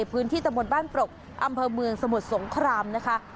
พื้นที่ตะบนบ้านปรกอำเภอเมืองสมุทรสงครามนะคะ